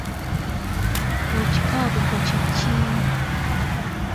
Ekikaabugo kye ki?